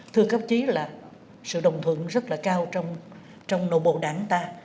thưa các chí là sự đồng thuận rất là cao trong nội bộ đảng ta